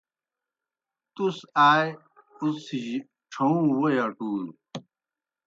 تُس آ اُڅِھجیْ ڇھہُوں ووئی اٹُوئے۔